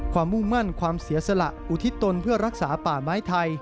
มุ่งมั่นความเสียสละอุทิศตนเพื่อรักษาป่าไม้ไทย